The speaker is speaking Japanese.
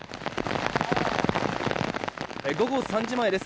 午後３時前です。